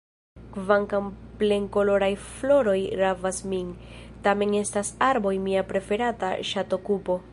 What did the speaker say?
Kvankam plenkoloraj floroj ravas min, tamen estas arboj mia preferata ŝatokupo.